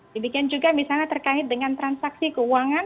demikian juga misalnya terkait dengan transaksi keuangan